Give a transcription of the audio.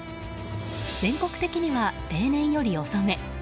全国的には例年より遅め。